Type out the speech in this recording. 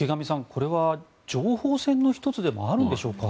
これは情報戦の１つでもあるんでしょうか。